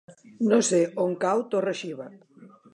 No sé on cau Torre-xiva.